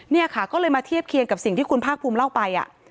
เนี่ยค่ะก็เลยมาเทียบเคียงกับสิ่งที่คุณภาคภูมิเล่าไป